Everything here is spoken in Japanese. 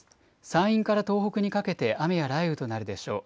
山陰から東北にかけて雨や雷雨となるでしょう。